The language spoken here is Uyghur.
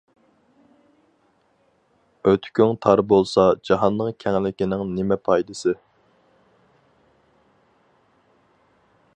ئۆتۈكۈڭ تار بولسا جاھاننىڭ كەڭلىكىنىڭ نېمە پايدىسى.